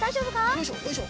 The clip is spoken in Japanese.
よいしょよいしょ。